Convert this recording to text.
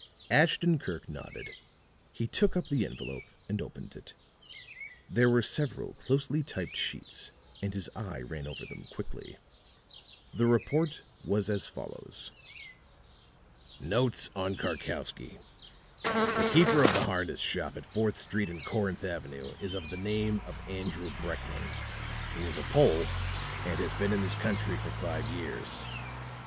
Ashton Kirk nodded. He took up the envelope and opened it. There were several closely typed sheets and his eye ran over them quickly. The report was as follows: "Notes on Karkowsky" "The keeper of the harness shop at Fourth Street and Corinth Avenue is of the name of Andrew Brekling. He is a Pole and has been in this country for five years.